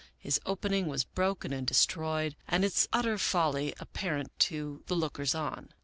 His opening was broken and destroyed and its utter folly apparent to the lookers on.